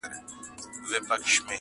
چي ملالي پکښي ګرځي د وطن پر ګودرونو٫